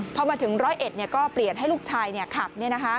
พอมาถึงร้อยเอ็ดก็เปลี่ยนให้ลูกชายขับ